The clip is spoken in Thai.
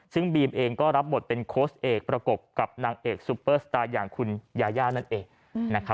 ซึ่งบีมเองก็รับบทเป็นโค้ชเอกประกบกับนางเอกซุปเปอร์สตาร์อย่างคุณยาย่านั่นเองนะครับ